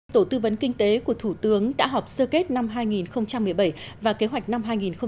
tổ tư vấn kinh tế của thủ tướng đã họp sơ kết năm hai nghìn một mươi bảy và kế hoạch năm hai nghìn một mươi chín